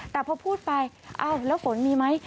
แต่พอพูดไปเอ้าแล้วฝนมีไหม